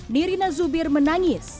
nirina zubir menangis